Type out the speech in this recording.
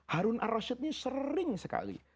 harun ar rashid ini sering sekali